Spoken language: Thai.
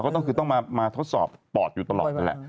ก็คือต้องมาทดสอบปอดอยู่ตลอดนั่นแหละ